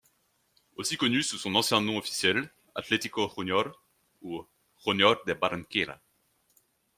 Aussi connu sous son ancien nom officiel Atlético Junior ou Junior de Barranquilla.